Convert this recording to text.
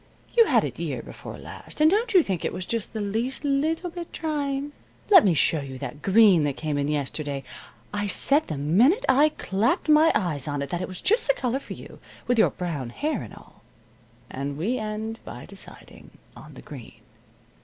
You had it year before last, and don't you think it was just the least leetle bit trying? Let me show you that green that came in yesterday. I said the minute I clapped my eyes on it that it was just the color for you, with your brown hair and all." And we end by deciding on the green.